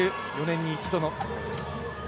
４年に一度の大会です。